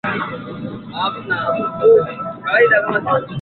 mawaziri hawa wa uchumi masuala ya mambo ya nje na kilimo